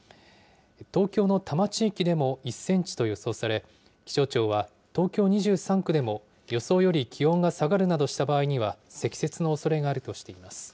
東京の多摩地域でも１センチと予想され、気象庁は、東京２３区でも予想より気温が下がるなどした場合には、積雪のおそれがあるとしています。